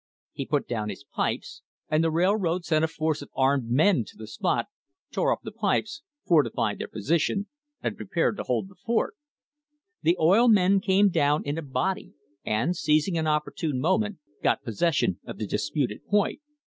He put down his pipes, and the railroad sent a force of armed men to the spot, tore up the pipes, fortified their position and prepared to hold the fort. The oil men came down in a body, and, seizing an opportune moment, got possession of the disputed point.